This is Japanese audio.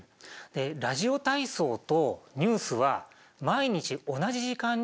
ラジオ体操とニュースは毎日同じ時間に放送されたんだ。